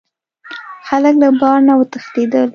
خلک له بار نه وتښتیدل.